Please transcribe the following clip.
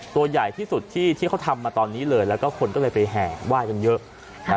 ตัวใหญ่ที่สุดที่เขาทำมาตอนนี้เลยแล้วก็คนก็เลยไปแห่งว่ายจนเยอะ